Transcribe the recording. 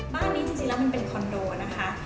บ้านนี้จริงแล้วมันเป็นคอนโดนะคะ